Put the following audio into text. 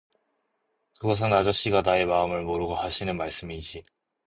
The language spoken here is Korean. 그것은 아저씨가 나의 마음을 모르고 하시는 말씀이지.